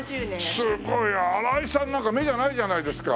すごい！荒井さんなんか目じゃないじゃないですか！